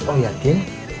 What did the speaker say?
oh ya din